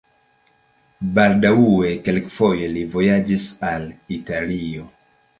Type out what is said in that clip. Baldaŭe kelkfoje li vojaĝis al Italio.